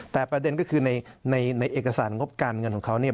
แต่ประเด็นก็คือในเอกสารงบการเงินของเขาเนี่ย